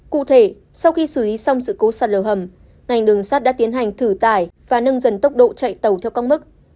cụ thể sau khi xử lý xong sự cố sạt lở hầm ngành đường sắt đã tiến hành thử tải và nâng dần tốc độ chạy tàu theo các mức